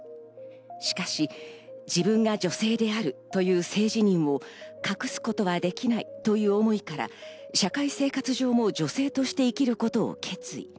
しかし、自分が女性であるという性自認を隠すことはできないという思いから社会生活上も女性として生きることを決意。